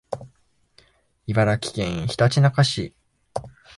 茨城県ひたちなか市